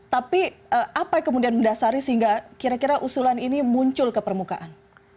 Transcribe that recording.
tapi apa yang kemudian mendasari sehingga kira kira usulan ini muncul ke permukaan